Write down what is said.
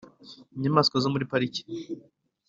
inyamaswa zo muri pariki